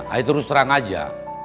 saya terus terang aja